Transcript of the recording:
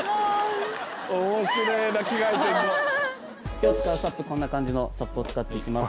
今日使うＳＵＰこんな感じのＳＵＰを使っていきます